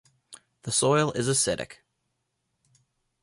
The soil is acidic.